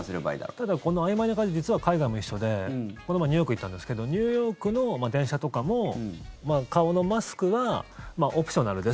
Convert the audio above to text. ただ、このあいまいな感じ実は海外も一緒でこの前ニューヨークに行ったんですけどニューヨークの電車とかも顔のマスクはオプショナルです